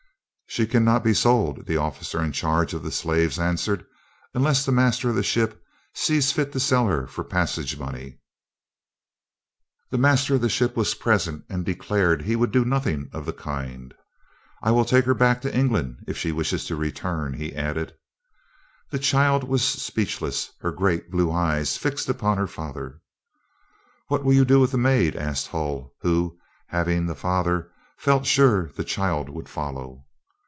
"She cannot be sold," the officer in charge of the slaves answered, "unless the master of the ship sees fit to sell her for passage money." The master of the ship was present and declared he would do nothing of the kind. "I will take her back to England, if she wishes to return," he added. The child was speechless, her great blue eyes fixed on her father. "What will you do with the maid?" asked Hull, who, having the father, felt sure the child would follow.